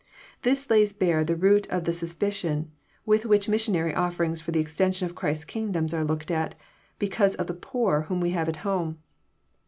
—'* This lays bare the root of that suspicion with which missionary ofiierings for the extension of Christ's kingdom are looked at, because of the poor whom we have at home."